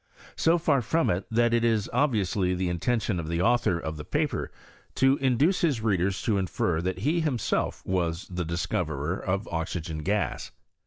So far from it, that it is ob viously the intention of the author of the paper to induce his renders to infer that he himBelf was the discoverer of osygen gas.